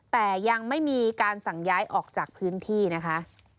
แต่ยังไม่มีการสั่งย้ายออกจากพื้นที่นะคะ